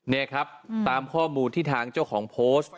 เนี่ยครับตามข้อบูรณ์ที่ทางเจ้าของโพส